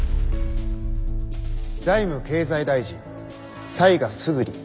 「財務経済大臣雑賀すぐり」。